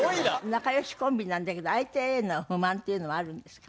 仲良しコンビなんだけど相手への不満っていうのはあるんですか？